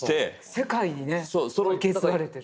世界にね受け継がれてる。